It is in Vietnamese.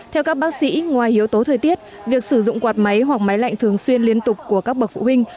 theo các bác sĩ ngoài yếu tố thời tiết việc sử dụng quạt máy hoặc máy lạnh thường xuyên liên tục của các bậc phụ huynh